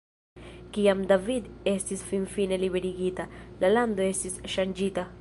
Kiam David estis finfine liberigita, la lando estis ŝanĝita.